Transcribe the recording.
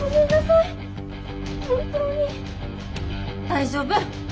大丈夫！